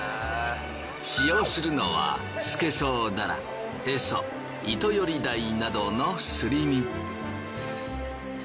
使用するのはスケソウダラエソイトヨリダイなどのすり身。